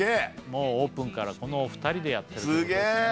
もうオープンからこのお二人でやってるということですね